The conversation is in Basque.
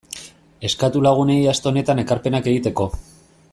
Eskatu lagunei aste honetan ekarpenak egiteko.